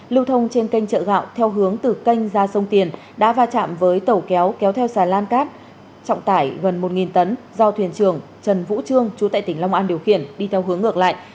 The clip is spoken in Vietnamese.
lưu thông trên kênh chợ gạo theo hướng từ kênh ra sông tiền đã va chạm với tàu kéo kéo theo xà lan cát trọng tải gần một tấn do thuyền trưởng trần vũ trương chú tại tỉnh long an điều khiển đi theo hướng ngược lại